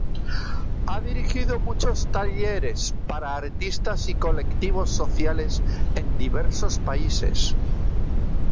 Ha dirigido muchos talleres para artistas y colectivos sociales en diversos países.